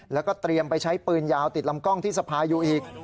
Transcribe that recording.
แล้วก็เตรียมไปใช้ปืนยาวติดลำกล้องที่สภาอยู่อีก